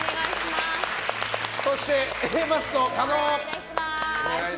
そして、Ａマッソ加納。